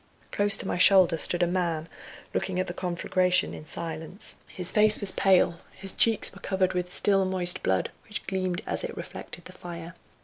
Close to my shoulder stood a man looking at the conflagration in silence. His face was pale, his cheeks were covered with still moist blood, which gleamed as it reflected the fire.